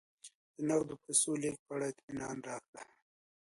د نغدو پیسو د لېږلو په اړه اطمینان راکړه